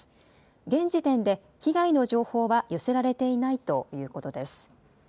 現時点で被害の情報は寄せられていないということです。